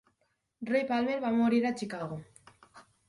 Roy Palmer va morir a Chicago.